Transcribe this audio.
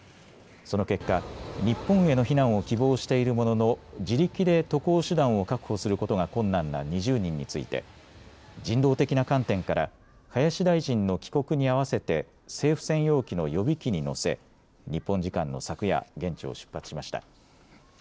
その結果、日本への避難を希望しているものの自力で渡航手段を確保することが困難な２０人について人道的な観点から林大臣の帰国に合わせて政府専用機の予備機に乗せ日本時間の昨夜、現地を出発しました。